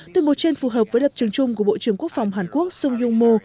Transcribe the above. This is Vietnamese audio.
tuyên bộ trên phù hợp với đặc trường chung của bộ trưởng quốc phòng hàn quốc sung yong mu